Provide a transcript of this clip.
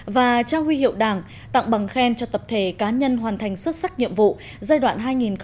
và trao huy hiệu đảng tặng bằng khen cho tập thể cá nhân hoàn thành xuất sắc nhiệm vụ giai đoạn hai nghìn một mươi sáu hai nghìn một mươi tám